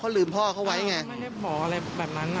เขาลืมพ่อเขาไว้ไงเนี่ยอ้าวไม่ให้บอกอะไรแบบนั้น